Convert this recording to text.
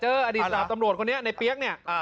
อดีตสาบตำรวจคนนี้ในเปี๊ยกเนี่ย